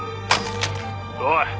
おい！